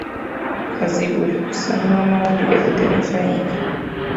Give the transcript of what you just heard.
Kazibwe musomi wa mawulire ku terefayina.